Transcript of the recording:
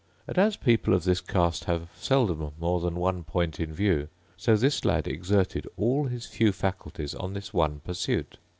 And as people of this cast have seldom more than one point in view, so this lad exerted all his few faculties on this one pursuit.